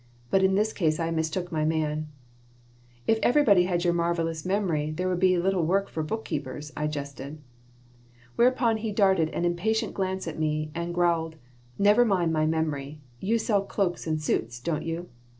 But in this case I mistook my man "If everybody had your marvelous memory there would be little work for bookkeepers," I jested Whereupon he darted an impatient glance at me and growled: "Never mind my memory. You sell cloaks and suits, don't you?